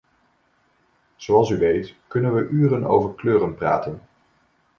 Zoals u weet kunnen we uren over kleuren praten.